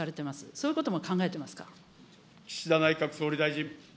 そういうことも考えてますか。